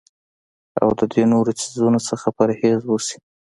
او د دې نورو څيزونو نه پرهېز اوشي